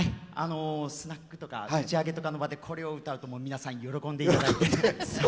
スナックとか打ち上げの場でこれを歌うと皆さん喜んでいただいて。